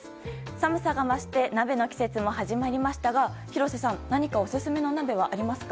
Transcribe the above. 寒さが増して鍋の季節も始まりましたが廣瀬さん、何かオススメの鍋はありませんか？